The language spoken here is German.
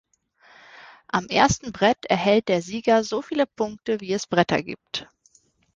Am ersten Brett erhält der Sieger so viele Punkte wie es Bretter gibt.